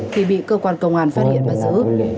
thì bị cơ quan công an phát hiện bắt giữ